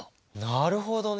なるほどね。